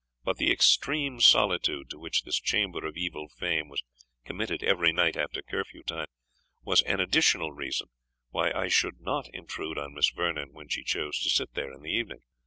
But the extreme solitude to which this chamber of evil fame was committed every night after curfew time, was an additional reason why I should not intrude on Miss Vernon when she chose to sit there in the evening.